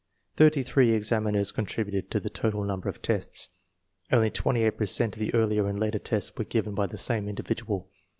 Thirty three ex aminers contributed to the total number of tests. 1 Only twenty eight per cent of the earlier and later tests were given by the same individual.